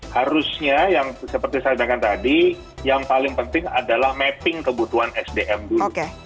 harusnya yang seperti saya katakan tadi yang paling penting adalah mapping kebutuhan sdm dulu